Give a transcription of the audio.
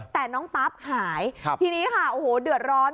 แต่น้องปั๊บหายทีนี้ค่ะโอ้โหเดือดร้อน